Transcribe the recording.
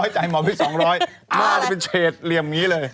๒๐๐จ่ายหมอบัน๒๐๐เป็นเชษเหรียมนี้เลย